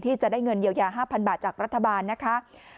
ที่จะได้เงินเยียวยา๕๐๐บาทจากรัฐบาลนะคะ